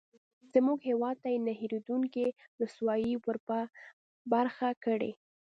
زموږ هېواد ته یې نه هېرېدونکې رسوایي ورپه برخه کړې.